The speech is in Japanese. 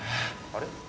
あれ？